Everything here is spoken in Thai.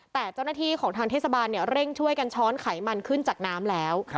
แต่เจ้าหน้าที่ของทางเทศบาลเร่งช่วยกันช้อนไขมันขึ้นจากน้ำแล้ว